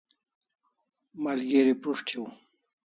Malgeri prus't hiu